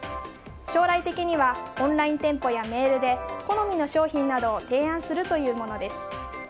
将来的にはオンライン店舗やメールで好みの商品などを提案するというものです。